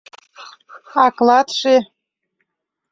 А клатше